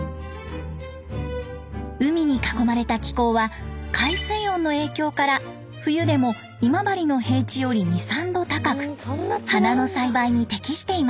海に囲まれた気候は海水温の影響から冬でも今治の平地より２３度高く花の栽培に適していました。